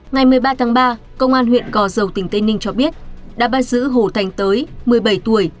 ngày một mươi ba tháng ba công an huyện gò dầu tỉnh tây ninh cho biết đã bắt giữ hồ thành tới một mươi bảy tuổi